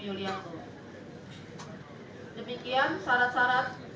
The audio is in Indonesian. yulianto demikian syarat syarat